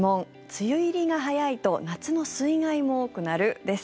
梅雨入りが早いと夏の水害も多くなる？です。